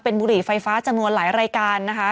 บุหรี่ไฟฟ้าจำนวนหลายรายการนะคะ